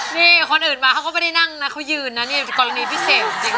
นี่คนอื่นมาเขาก็ไม่ได้นั่งนะเขายืนนะนี่กรณีพิเศษจริง